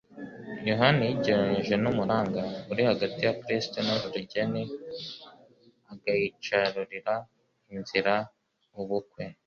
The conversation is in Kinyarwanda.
Yohana yigereranije n' umuranga uri hagati ya Kristo n'urulugeni agaicaurira inzira ubukwe.